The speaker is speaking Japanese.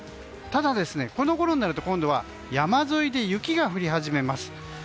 ただ、このごろになると今度は山沿いで雪が降り始めます。